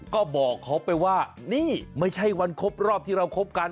ก็บอกเขาไปว่านี่ไม่ใช่วันครบรอบที่เราคบกัน